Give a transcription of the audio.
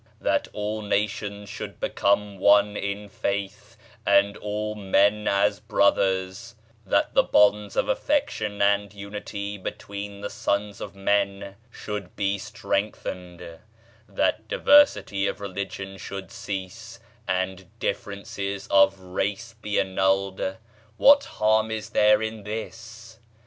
That all nations should become one in faith and all men as brothers; that the bonds of affection and unity between the sons of men should be strengthened; that diversity of religion should cease, and differences of race be annulled what harm is there in this?...